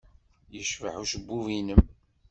Yecbeḥ ucebbub-nnem.